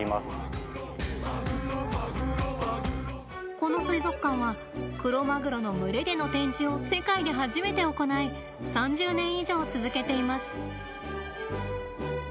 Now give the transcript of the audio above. この水族館は、クロマグロの群れでの展示を世界で初めて行い３０年以上続けています。